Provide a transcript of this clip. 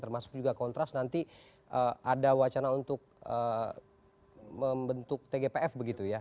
termasuk juga kontras nanti ada wacana untuk membentuk tgpf begitu ya